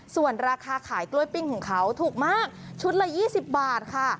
ส่วนราคาขายกล้วยปิ้งของเขาถูกมากชุดละ๒๐บาทค่ะ